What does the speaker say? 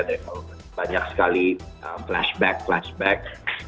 dari banyak sekali flashback flashback